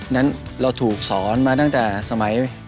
นั้นเราถูกสอนมาตั้งแต่สมัย